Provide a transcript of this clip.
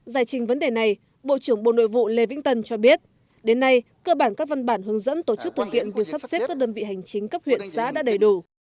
giải trình vấn đề này bộ trưởng bộ nội vụ lê vĩnh tân cho biết đến nay cơ bản các văn bản hướng dẫn tổ chức thực hiện việc sắp xếp các đơn vị hành chính cấp huyện xã đã đầy đủ